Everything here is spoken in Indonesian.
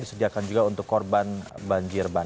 disediakan juga untuk korban yang belum ditemukan